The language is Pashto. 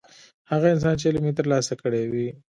هغه انسان چې علم یې ترلاسه کړی وي.